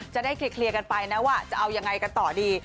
จะได้เคลียร์กันไปนะว่าจะเอายังไงกันต่อดี